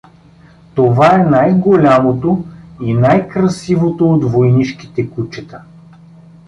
Това е най-голямото и най-красивото от войнишките кучета.